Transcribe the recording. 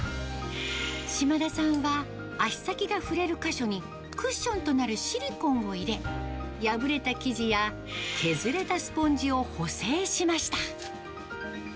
島田さんは、脚先が触れる箇所にクッションとなるシリコンを入れ、破れた生地や削れたスポンジを補整しました。